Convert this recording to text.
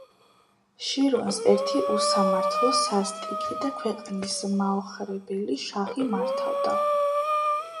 შირვანს ერთი უსამართლო სასტიკი და ქვეყნის მაოხრებელი შაჰი მართავდა